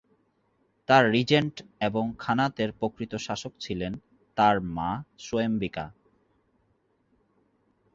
তার রিজেন্ট এবং খানাতের প্রকৃত শাসক ছিলেন তার মা সোয়েম্বিকা।